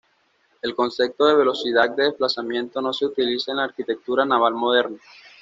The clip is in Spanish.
El concepto de velocidad de desplazamiento no se utiliza en la arquitectura naval moderna.